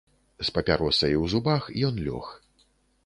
З папяросай у зубах ён лёг.